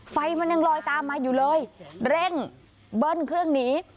ไฟมันยังลอยตามมาอยู่เลยเร่งเบิ้ลเครื่องหนี